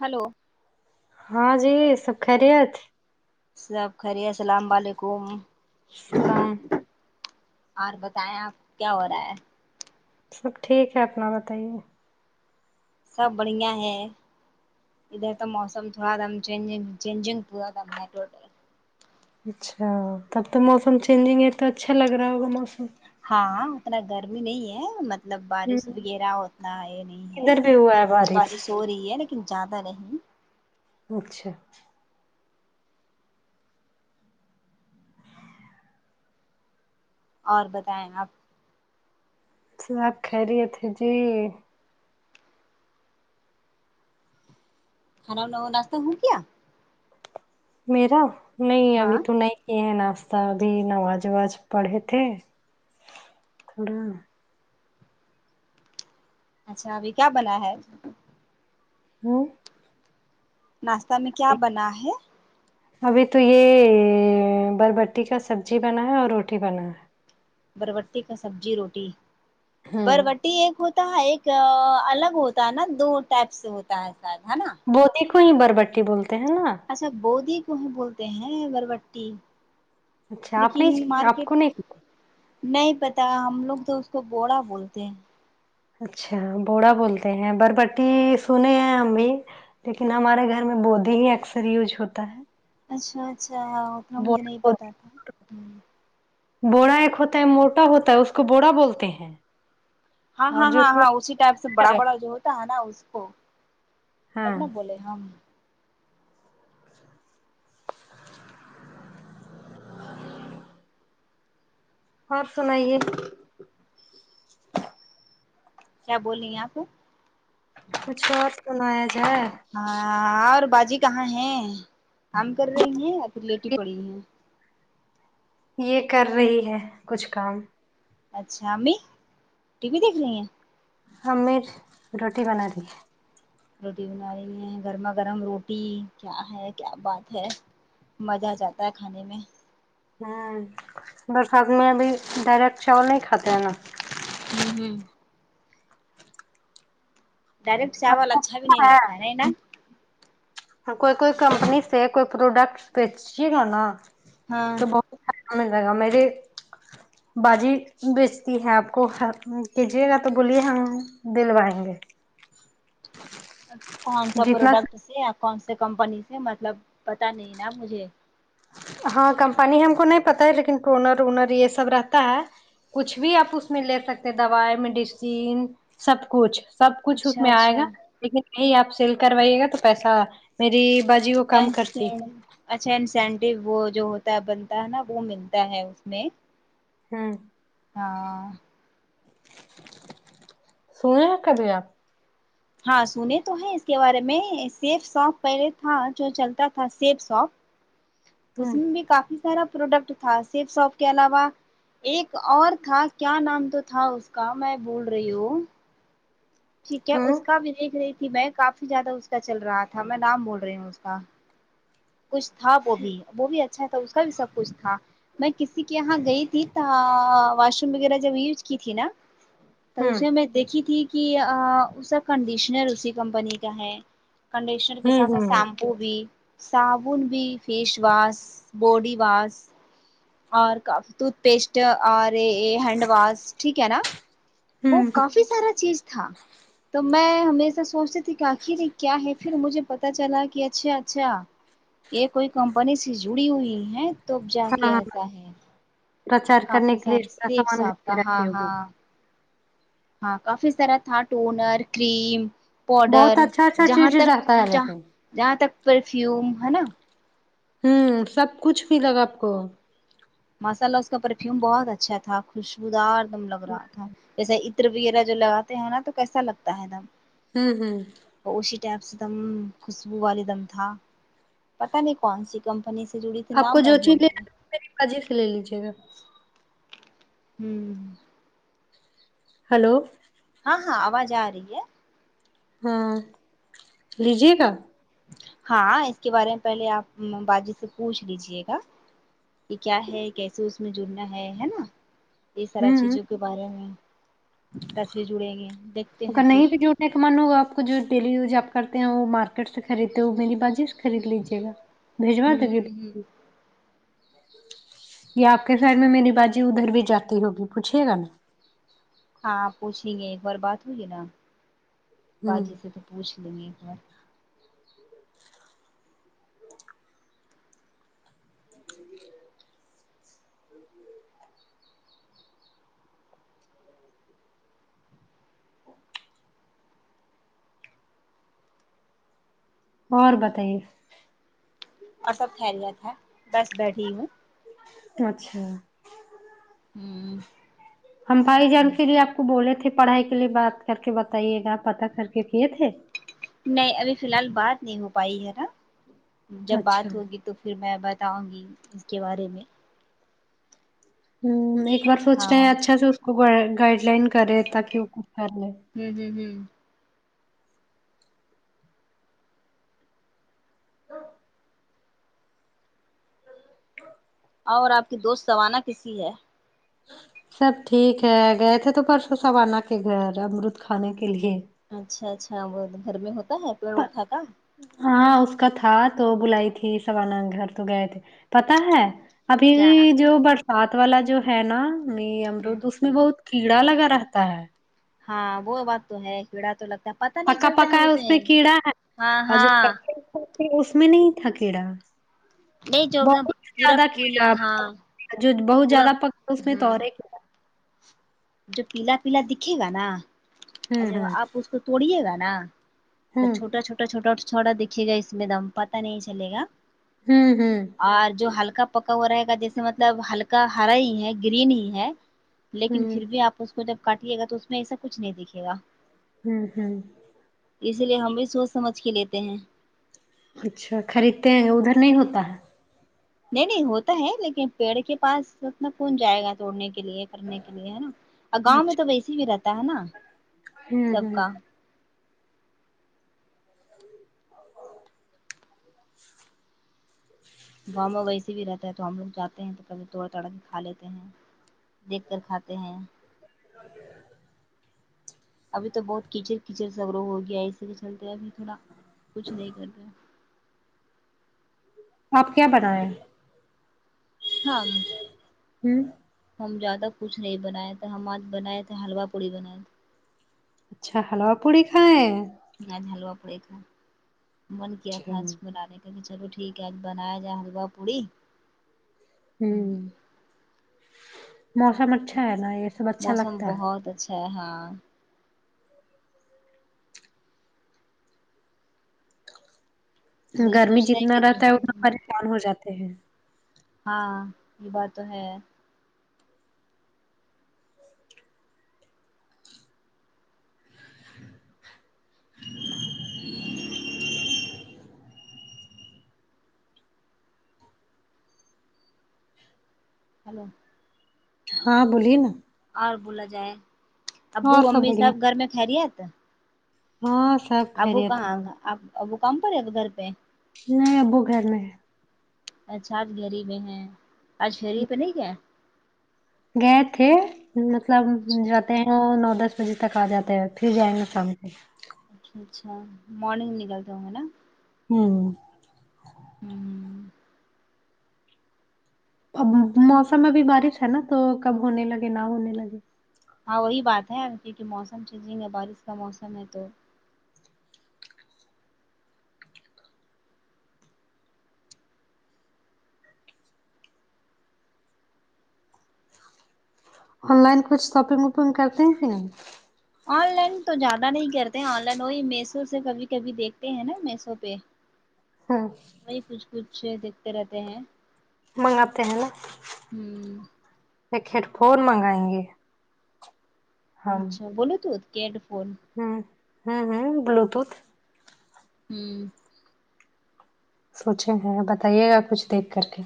hello ہاں جی سب خیریت سب خیریت سلام و علیکم سلام اور بتائیں آپ کیا ہو رہا ہے سب ٹھیک ہے اپنا بتائیے سب بڑھیا ہے ادھر تو موسم تھوڑا دم چینجنگ پورا دم ہے ٹوٹل اچھا تب تو موسم چینجنگ ہے تو اچھا لگ رہا ہوگا موسم ہاں اتنا گرمی نہیں ہے مط لب ہوں بارش وغیرہ اتنا ہے نہیں ہے ادھر بھی ہوا ہے بارش ہو رہی ہے لیکن زیادہ نہیں اچھا اور بتائیں آپ سب خیریت ہے جی کھانا وانا اور ناشتا ہوں گیا میرا نہیں ابھی ہاں تو نہیں یہ ناشتہ ابھی نماز وواز پڑھے تھے تھوڑا اچھا ابھی کیا بنا ہے ہوں ناشتہ میں کیا بنا ہے ابھی تو یہ بربٹی کا سبزی بنا ہے اور روٹی بنا ہے بربٹی کا سبزی روٹی ہوں بربٹی ایک ہو ہوتا ایک الگ ہوتا ہے نا دو ٹائپ سے ہوتا ہے شاید ہے نا بودی کو ہی بربٹی بولتے ہیں نا اچھا بودی کو ہی بولتے ہیں بربٹی اچھا آپ لیکن نہیں آپ مارکیٹ کو نہیں نہیں پتا ہم لوگ تو اس کو بوڈھا بولتے ہیں اچھا بوڑا بولتے ہیں بربٹی سنے ہیں ہم بھی لیکن ہمارے گھر میں بودی ہی اکثر یوج ہوتا ہے اچھا اچھا اتنا مجھے نہیں بوڑا پتا تھا بوڑا ایک ہوتا ہے موٹا ہوتا ہے اس کو بوڑا بولتے ہیں ہاں ہاں اور جو ہاں تھوڑا ہاں اسی ٹائپ سے بڑا بڑا جو ہوتا ہے نا اس کو تب ہاں نہ بولے ہم اور سنائیے کیا بولی آپ کچھ اور سنایا جائے ہاں اور باجی کہاں ہے کام کر رہی ہیں یا پھر لیٹی پڑی ہیں یہ کر رہی ہے کچھ کام اچھا امی ٹی وی دیکھ رہی ہیں امی روٹی بنا رہی ہے روٹی بنا رہی ہیں گرما گرم روٹی کیا ہے کیا بات ہے مزہ ا جاتا ہے کھانے میں ہاں برسات میں بھی ڈائریکٹ چاول نہیں کھاتے ہیں نا ہوں ہوں ڈائریکٹ آپ چاول کو اچھا بھی نہیں پتہ لگتا ہے نہیں نا کوئی کوئی کمپنی سے کوئی پروڈکٹ بیچیے گا نا ہاں [unintelligible] لگا میری با جی بیچتی ہے اپ کو کیجیے گا تو بولیے ہم دلوائیں گے کون سا جتنا پروڈکٹ سے یا کون سا کمپنی سے مطلب پتہ نہیں نا مجھے ہاں کمپنی ہم کو نہیں پتا ہے لیکن ٹونر وونر یہ سب رہتا ہے کچھ بھی اپ اس میں لے سکتے دوائی میڈیسین سب کچھ سب کچھ اس اچھا میں ائے گا اچھا لیکن یہی اپ سیل کروائیے گا تو پیسہ میری باجی کم کرتی [unintelligible] اچھا انسینٹو وہ جو ہوتا ہے بنتا ہے نا وہ ملتا ہے اس میں ہوں ہاں سنے ہے کبھی اپ ہاں سنے تو ہے اس کے بارے میں سیف سوپ پہلے تھا جو چلتا تھا سیف سوپ اس ہوں میں بھی کافی سارا پروڈکٹ تھا سیف ساپ کے علاوہ ایک اور تھا کیا نام تو تھا اس کا میں بھول رہی ہوں ٹھیک ہے ہوں اس کا بھی دیکھ رہی تھی میں کافی زیادہ اس کا چل رہا تھا میں نام بھول رہی ہوں اس کا کچھ تھا وہ بھی وہ بھی اچھا تھا اس کا بھی سب کچھ تھا میں کسی کے یہاں گئی تھی تا واش روم وغیرہ جب یوز کی تھی نا تو ہوں اسے میں دیکھی تھی کہ ا اس کا کنڈیشنر اسی کمپنی کا ہے کنڈیشنر کے ہوں ساتھ ہوں سیمپو بھی صابن بھی فیش واس باڈی واس اور کاف ٹوتھ پیسٹ اور ہینڈ واش ٹھیک ہے نا وہ ہوں کافی سارا چیز تھا تو میں ہمیشہ سوچتی تھی کہ اخر یہ کیا ہے پھر مجھے پتا چلا کہ اچھا اچھا یہ کوئی کمپنی سے جڑی ہوئی ہے تب جا ہاں کے ہاں آتا ہے پرچار کرنے کافی کے لیے سارے ایکسٹرا سیب سامان گھر صاحب کا میں ہاں رکھی ہاں ہوگی ہاں کافی سارا تھا ٹونر کریم پوڈر بہت اچھا اچھا جہاں چیز تک رہتا ہے ج لیکن جہاں تک پرفیوم ہے نا ہوں سب کچھ بھی لگا اپ کو ماشا اللہ اس کا پرفیوم بہت اچھا تھا خوشبودار دم لگ رہا تھا جیسے عطر بھی یہ جو نہ لگاتے ہیں نا تو کیسا لگتا ہے نہ ہوں ہوں پشی ٹیپ سے دم خوشبو والے دم تھا پتا نہیں کون سی کمپنی سے جڑی تھی آپ کو نام میں جو چیز بھول رہی ہوں لینا میری باجی لے لیجیے گا ہوں ہلو ہاں ہاں آواز آ رہی ہے ہاں لیجیے گا ہاں اس کے بارے میں پہلے آپ باجی سے پوچھ لیجیے گا کہ کیا ہے کیسے اس میں جڑنا ہے ہے نا یہ سارا ہوں چیزوں کے بارے میں کیسے جڑیں گے دیک اگر نہیں بھی جوڑنے کا من ہوگا آپ کو جو ڈیلی یوز آپ کرتے ہیں وہ مارکیٹ سے خریدتے ہو میری باجی خرید لیجے گا بھیجوا ہوں دونگی ہ یا آپ کے سائڈ میں میری باجی ادھر بھی جاتی ہوگی پوچھیے گا نا ہاں پوچھین گے ایک بار بات ہوئی نا ہوں باجی سے تو پوچھ لیں گے ایک بار [unintelligible] اور بتائیے اور سب خیریت ہے بس بیٹھی ہوں اچھا ہوں ہم بھائی جان پھر یہ آپ کو بولے تھے پڑھائی کے لیے بات کر کے بتائیے گا پتا کر کے کیے تھے نہیں ابھی فی الحال بات نہیں ہو پائی ہے نا جب اچھا بات ہوگی تو پھر میں بتاؤں گی اس کے بارے میں ہوں ایک بار سوچتے ہیں ہاں اچھا سے اس کو گائڈ لائن کرے تاکہ وہ خود کر لے ہوں ہوں ہوں تو اور آپ کی دوست سوانا کسی ہے سب ٹھیک ہے گئے تھے تو پرسوں سوانا کے گھر امرد کھانے کے لیے اچھا اچھا وہ گھر میں ہوتا ہے پیڑ اٹھا تھا ہاں اس کا تھا تو بلائی تھی سوانا گھر تو گئے تھے پتا ہے ابھی بھی کیا جو برسات والا جو ہے نا م ہ امرود اس میں وہ کیڑا لگا رہتا ہے ہاں وہ بات تو ہے کیڑا تو لگتا پتا نہیں پکا چلتا پکا ہے اسے اس میں کیڑا ہے ہاں اور جو ہاں کچے کچے اس میں نہیں تھا کیڑا نہیں جو بہت پورا زیادہ پل کیڑا ہاں جو بہت پورا زیادہ پک اس میں تو ہوں اور ایک ہے جو پیلا پیلا دیکھے گا نا ہوں اگر آپ اس کو توڑیے گا نا ہوں ہوں چھوٹا چھوٹا چھوٹا اور تھوڑا دیکھئے گا اس میں دم پتہ نہیں چلے گا ہوں ہوں اور جو ہلکا پکا ہوا رہے گا جیسے مطلب ہلکا ہرا ہی ہے گرین ہی ہے لیکن ہوں ہوں پھر بھی آپ اس کو جب کاٹیے گا تو اس میں ایسا کچھ نہیں دکھے گا ہوں ہوں اسی لیے ہم بھی سوچ سمجھ کے لیتے ہیں اچھا خریدتے ہیں ادھر نہیں ہوتا ہے نہیں نہیں ہوتا ہے لیکن پیڑ کے پاس اتنا کون جائے گا توڑنے کے لیے کرنے کے لیے ہے نا اور ہے گاؤں میں اچھا تو ویسیے بھی رہتا ہے نا ہوں سب ہوں کا [inaudible] گاؤں میں ویسے بھی رہتا ہے تو ہم لوگ جاتے ہیں تو پہلے توڑ تاڑ کے کھا لیتے ہیں دیکھ کر کھاتے ہیں [inaudible] ابھی تو بہت کیچڑ کیچڑ سا ہو گیا ایسے ہی چلتے اب تھوڑا کچھ نہیں کر رہ آپ کیا بنایا ہم ہوں ہم زیادہ کچھ نہیں بنائے تھے ہم اج بنائے تھے حلوا پوڑی بنائے تھے اچھا حلوا پوڑی کھائیں ہے آج حلوا پڑی کھائے من کیا اچھا تھا آج ہوں بنانے چلو چلو ٹھیک ہے بنایا جائے حلوا پوڑی ہوں موسم اچھا ہے نا یہ سب اچھا لگتا ہے تو ہاں وہی گرمی سوچ رہے ہیں جتنا کہ رہتا ہے اتنا پریشان ہو جاتے ہیں ہاں یہ بات تو ہے ہلو ہاں بولیے نا اور بولا جائے ابو اور امی بڑھیا سب گھر میں خیریت ہاں سب ابو خیریت ہے کہاں اب ابو کام پر ہے گھر پہ نہیں ابو گھر میں ہے اچھا آج گھر ہی میں ہے آج گری پہ نہیں گیا گئے تھے مطلب اچھا جاتے ہیں وہ نو دس بجے تک آ جاتا ہے پھر جائیں گے شام کو اچھا مارننگ نکلتے ہونگے نہ ہوں ہوں اب موسم ا بھی بارش ہے نا تو کب ہونے لگے نہ ہونے لگے ہاں وہی بات ہے کیونکہ موسم چینجنگ ہے بارش کا موسم ہے تو آن لائن کچھ شاپنگ وپنگ کرتے ہیں آن لائن تو زیادہ نہیں کرتے آن لائن وہی میسو سے کبھی کبھی دیکھتے ہیں نا میسو پہ ہوں وہی کچھ کچھ دیکھتے رہتے ہیں منگاتے ہیں نا ہوں ایک ہیڈ فون منگائیں گے اچھا بولو تو کیڈ فون ہاں ہاں ہاں بلیوٹوتھ ہوں سونچے ہیں بتائیے گا کچھ دیکھ کر کے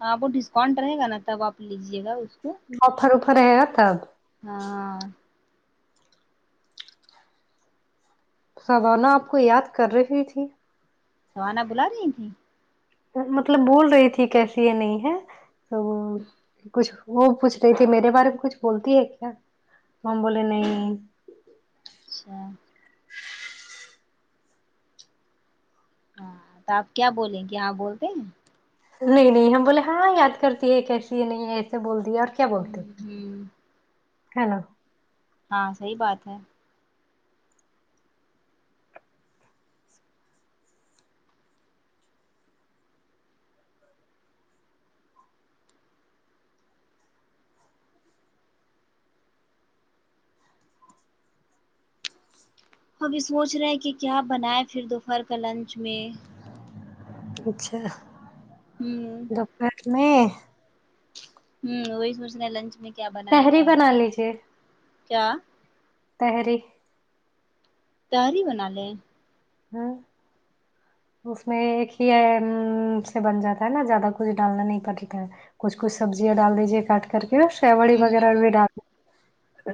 ہاں وہ ڈسکاؤنٹ رہے گا نا تب آپ لیجیے گا اس کو آوپھر اوپھر رہے گا تب ہاں سوانا آپ کو یاد کر رہی تھی سوانا بلا رہی تھیں ڈر مطلب بول رہی تھی کیسی ہے نہیں ہے تو وہ کچھ وہ پوچھ رہی تھی میرے بارے میں کچھ بولتی ہے کیا تو ہم بولے نہیں اچھا ہاں تو آپ کیا بولیں کہ کیا بولتے ہیں نہیں نہیں ہم بولے ہاں یاد کرتی ہے کیسی یہ نہیں ہے تو بول دی اب کیا بولتے ہوں ہوں ہے نا ہاں صحیح بات ہے ابھی سوچ رہے ہیں کہ کیا بنائے پھر دوپہر کا لنچ میں اچھا ہوں دوپہر میں ہوں وہی سوچ رے لنچ میں کیا بنائے تحری کیا بنا بنائے لیجے کیا تہری تہری بنالے ہاں اس میں ایک ہی ہے امم سے بن جاتا ہے نا زیادہ کچھ ڈالنا نہیں پڑتا ہے کچھ کچھ سبزیاں ڈال دیجے کاٹ کر کے سیوڑی ہوں ہوں وغیرہ ہوں بھی ڈال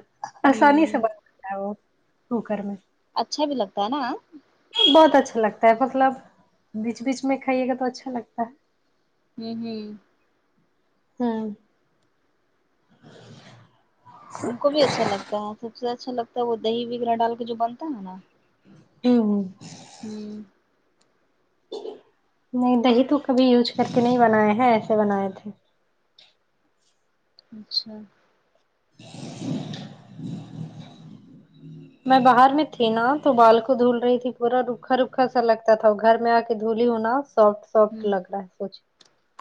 آسانی سے ہوں بن ہوو کوکر میں اچھا بھی لگتا ہے نا بہت اچھا لگتا ہے مطلب بیچ بیچ میں کھائیے گا تو اچھا لگتا ہے ہوں ہوں ہاں ہم کو بھی اچھا لگتا ہے سب سے اچھا لگتا ہے وہ دہی وغیرہ ڈال کے جو بنتا ہےنا کیوں ہوں نہیں دہی تو کبھی یوز کر کے نہیں بنائے ہیں ایسے بنائے تھے اچھا میں باہر میں تھی نا تو بال کو دھول رہی تھی پورا روکھا روکھا سا لگتا تھا گھر میں آ کے دھولی ہوں نا سوفٹ سوفٹ ہوں لگ رہا ہے سچ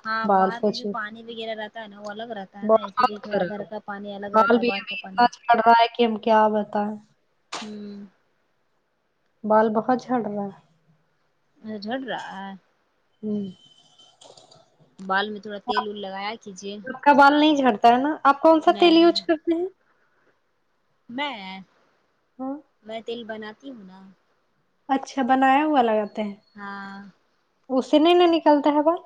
ہاں باہر کا جو پانی وغیرہ رہتا ہے نا وہ الگ رہتا ہے نا اسی لیے بہت تھوڑا گھر کا پانی الگ رہتا ہے باہر کا پانی پڑ رہا ہے کی ہم کیا بتاے ہوں بال بہت جھڑ رہے میرا جھڑ رہا ہے ہوں بال میں تھوڑا تیل ول لگایا کیجے آپ کا بال نہیں جھڑتا ہے نا آپ کون سا تیل نہیں یوج کرتے ہیں میں ہاں میں تیل بناتی ہوں نا اچھا بنایا ہوا لگاتے ہیں ہاں اسی نے نہیں نکلتا ہے بال